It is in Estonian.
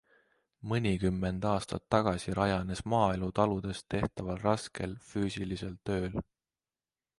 Mõnikümmend aastat tagasi rajanes maaelu taludes tehtaval raskel füüsilisel tööl.